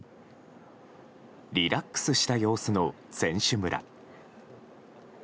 リラックスした様子の選手村。